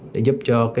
để giúp cho cái